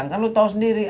kan lo tau sendiri